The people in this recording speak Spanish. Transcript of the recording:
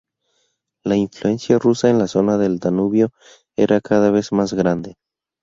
La influencia rusa en la zona del Danubio era cada vez más grande.